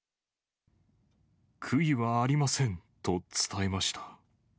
悔いはありませんと伝えました。